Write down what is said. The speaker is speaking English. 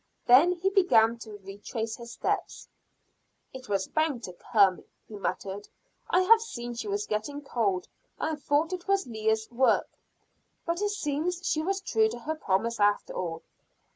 Then he began to retrace his steps. "It was bound to come," he muttered. "I have seen she was getting cold and thought it was Leah's work, but it seems she was true to her promise after all.